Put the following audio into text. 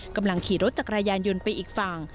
กำลังขี่รถจักรยานยนต์ไปอีกฝั่ง